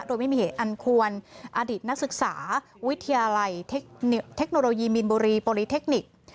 โดยไม่มีเหตุอันควรอดิตนักศึกษาวิทยาลัยเทคโนโลยีมีนบุรีโปรลิเทคนิค